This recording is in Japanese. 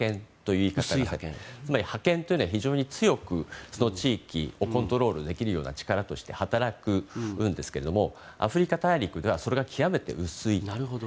言い方がされていて覇権というのは非常に強くその地域をコントロールできるような力として働くんですがアフリカ大陸ではそれが極めて薄い。